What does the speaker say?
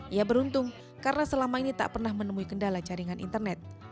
ia beruntung karena selama ini tak pernah menemui kendala jaringan internet